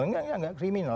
enggak enggak kriminal